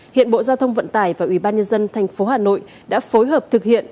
hiện bộ giao thông vận tải và ủy ban nhân dân tp hà nội đã phối hợp thực hiện